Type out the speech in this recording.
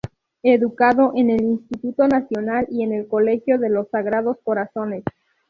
Educado en el Instituto Nacional y en el Colegio de los Sagrados Corazones.